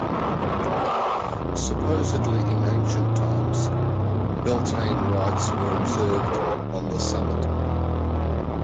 Supposedly in ancient times, Beltane rites were observed on the summit.